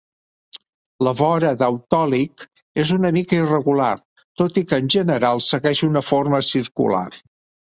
La vora d'Autòlic és una mica irregular, tot i que en general segueix una forma circular.